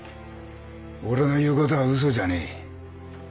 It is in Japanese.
俺の言う事は嘘じゃねえ。